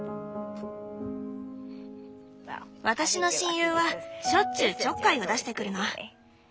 私の親友はしょっちゅうちょっかいを出してくるの。